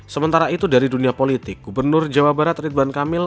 sementara itu dari dunia politik gubernur jawa barat ridwan kamil